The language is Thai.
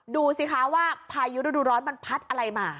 ดูสิคะว่าพายุฤดูร้อนมันพัดอะไรมา